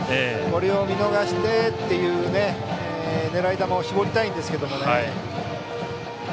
これを見逃してという狙い球を絞りたいですが。